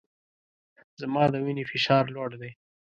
زما د وینې فشار لوړ دی